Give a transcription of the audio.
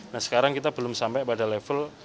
nah sekarang kita belum sampai pada level